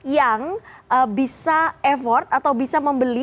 yang bisa effort atau bisa membeli